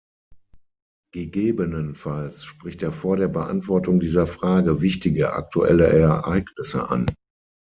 Gegebenenfalls spricht er vor der Beantwortung dieser Frage wichtige, aktuelle Ereignisse an.